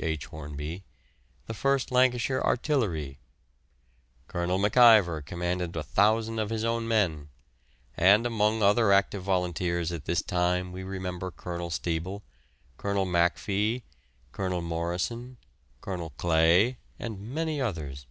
H. Hornby), the 1st Lancashire Artillery; Colonel MacIver commanded 1,000 of his own men; and among other active volunteers at this time we remember Colonel Steble, Colonel Macfie, Colonel Morrison, Colonel Clay, and many others.